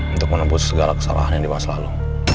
untuk menembus segala kesalahan yang dimaksud lalu